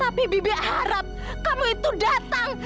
tapi bibi harap kamu itu datang